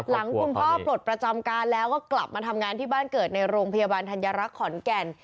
หลังคุณพ่อปลดประจำการแล้วก็กลับมาทำงานที่บ้านเกิดในโรงพยาบาลธัญรักษ์ขอนแก่น